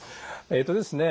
えっとですね